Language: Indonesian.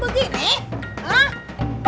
bapak di luar kom